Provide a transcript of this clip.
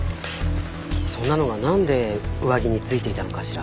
そんなのがなんで上着についていたのかしら